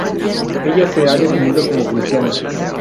Ella se ha definido como cristiana.